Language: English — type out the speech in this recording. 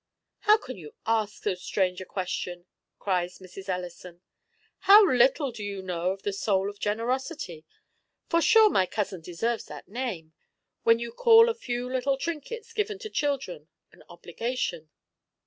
"How can you ask so strange a question?" cries Mrs. Ellison: "how little do you know of the soul of generosity (for sure my cousin deserves that name) when you call a few little trinkets given to children an obligation!"